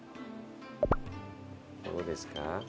どうですか？